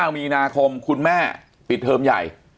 ๑๐๙มีนาคมคุณแม่ปิดเทอร์มใหญ่ค่ะ